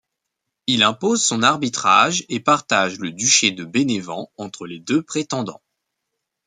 Il impose son arbitrage et partage le duché de Bénévent entre les deux prétendants.